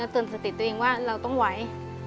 เตือนสติตัวเองว่าเราต้องไหว